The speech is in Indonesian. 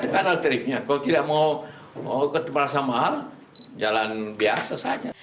kalau tidak mau ke tempat yang mahal jalan biasa saja